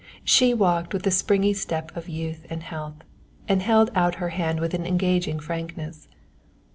She walked with the springy step of youth and health, and held out her hand with an engaging frankness.